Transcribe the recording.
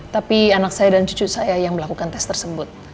tapi anak saya dan cucu saya yang melakukan tes tersebut